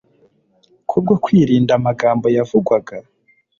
kubwo kwirinda amagambo yavugwaga?